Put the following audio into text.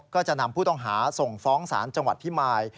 ก็จะนำผู้ต้องหาส่งฟ้องศาลจังหวัดพิมาย